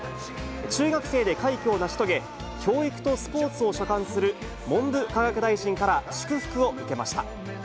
中学生で快挙を成し遂げ、教育とスポーツを所管する文部科学大臣から祝福を受けました。